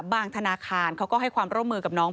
บ้างธนาคารให้ความร่าวมือกับน้อง